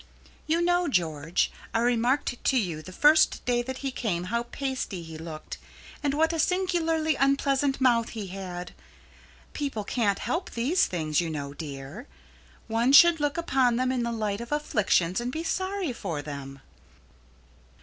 You know, George, I remarked to you the first day that he came how pasty he looked and what a singularly unpleasant mouth he had. People can't help these things, you know, dear. One should look upon them in the light of afflictions and be sorry for them."